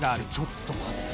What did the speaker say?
ちょっと待って。